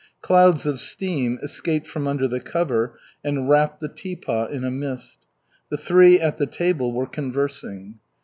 Clouds of steam escaped from under the cover and wrapped the tea pot in a mist. The three at the table were conversing.